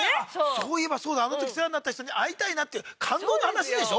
そういえばそうだあのとき世話になった人に会いたいなって感動の話でしょ？